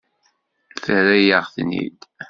Terra-yaɣ-ten-id.